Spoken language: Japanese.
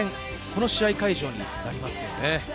この試合会場になります。